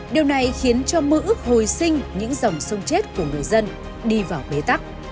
điều này khiến cho mơ ước hồi sinh những dòng sông chết của người dân đi vào bế tắc